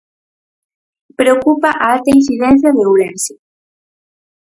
Preocupa a alta incidencia de Ourense.